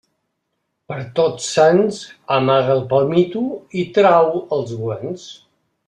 Per Tots Sants, amaga el palmito i trau els guants.